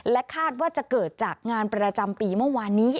คาดว่าจะเกิดจากงานประจำปีเมื่อวานนี้